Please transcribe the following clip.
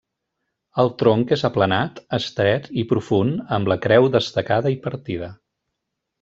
El tronc és aplanat, estret i profund, amb la creu destacada i partida.